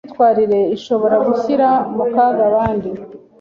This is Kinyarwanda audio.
Imyitwarire ishobora gushyira mu kaga abandi